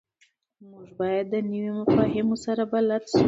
موږ باید د نویو مفاهیمو سره بلد شو.